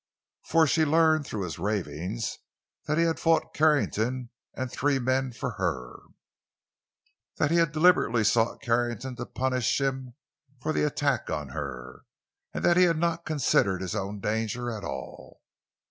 For she learned through his ravings that he had fought Carrington and the three men for her; that he had deliberately sought Carrington to punish him for the attack on her, and that he had not considered his own danger at all.